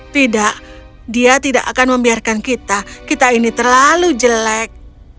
tidak dia tidak akan membiarkan kita kita ini terlalu jelek